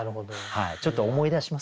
ちょっと思い出します。